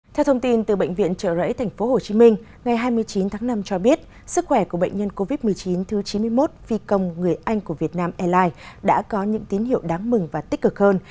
theo thông tin từ bệnh viện trợ rẫy tp hcm ngày hai mươi chín tháng năm cho biết sức khỏe của bệnh nhân covid một mươi chín thứ chín mươi một phi công người anh của việt nam airlines đã có những tín hiệu đáng mừng và tích cực hơn